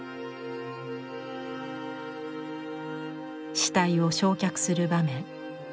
死体を焼却する場面。